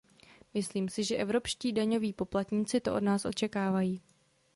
Myslím si, že evropští daňoví poplatníci to od nás očekávají.